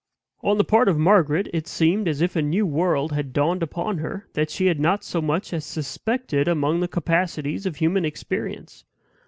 On the part of Margaret, it seemed as if a new world had dawned upon her that she had not so much as suspected among the capacities of human experience.